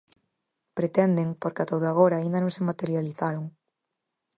Pretenden, porque ata o de agora aínda non se materializaron.